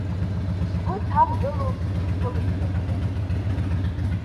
Сгәы ҭамгыло снеиԥылеит саргьы.